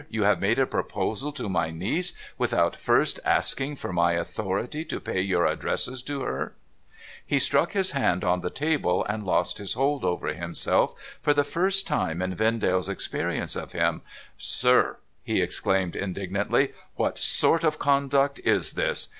' You have made a proposal to my niece, without first asking for my authority to pay your addresses to her ?' He struck his hand on the table, and lost his hold over himself for the first time in Vendale's experience of him. ' Sir !' he exclaimed, indignantly, ' what sort of conduct is this